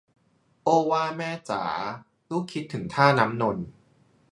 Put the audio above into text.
โอ้ว่าแม่จ๋า ลูกคิดถึงท่าน้ำนนท์